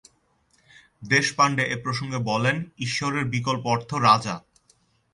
দেশপাণ্ডে এ প্রসঙ্গে বলেন, ঈশ্বরের বিকল্প অর্থ রাজা।